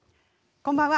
こんばんは。